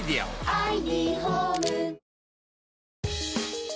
はい。